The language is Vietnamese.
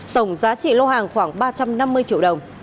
tổng giá trị lô hàng khoảng ba trăm năm mươi triệu đồng